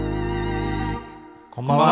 こんばんは。